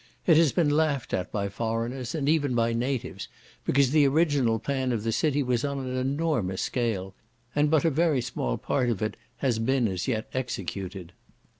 It has been laughed at by foreigners, and even by natives, because the original plan of the city was upon an enormous scale, and but a very small part of it has been as yet executed.